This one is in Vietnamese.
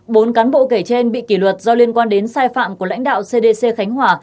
bốn cán bộ kể trên bị kỷ luật do liên quan đến sai phạm của lãnh đạo cdc khánh hòa